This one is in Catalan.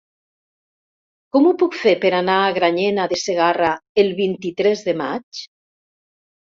Com ho puc fer per anar a Granyena de Segarra el vint-i-tres de maig?